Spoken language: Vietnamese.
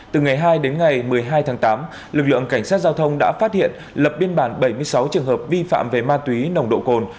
từ ngày hai đến ngày một mươi hai tháng tám lực lượng cảnh sát giao thông đã phát hiện lập biên bản bảy mươi sáu trường hợp vi phạm về ma túy nồng độ cồn